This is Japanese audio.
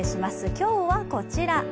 今日はこちら。